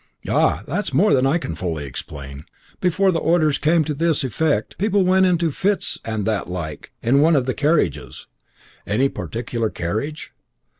"Ah! that's more than I can fully explain. Before the orders came to this effect, people went into fits and that like, in one of the carriages." "Any particular carriage?"